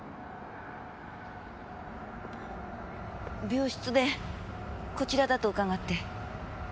病室でこちらだと伺って。